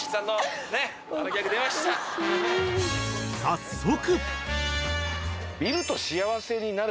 ［早速］